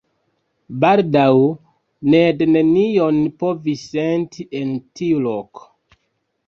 Baldaŭ Ned nenion povis senti en tiu loko.